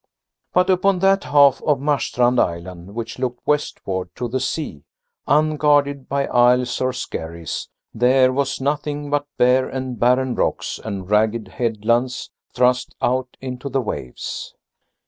But upon that half of Marstrand island which looked westward to the sea, unguarded by isles or skerries, there was nothing but bare and barren rocks and ragged headlands thrust out into the waves.